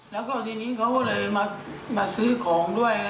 แล้วก็ทีนี้เขาก็เลยมาซื้อของด้วย